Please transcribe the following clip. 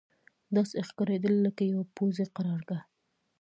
داسې ښکارېدل لکه یوه پوځي قرارګاه.